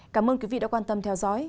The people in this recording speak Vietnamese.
cảm ơn quý vị đã quan tâm theo dõi